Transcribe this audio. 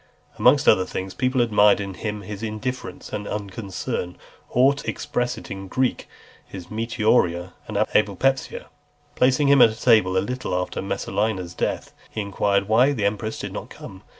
XXXIX. Amongst other things, people admired in him his indifference and unconcern; or, to express it in Greek, his meteoria and ablepsia. Placing himself at table a little after Messalina's death, he enquired, "Why the empress did not come?"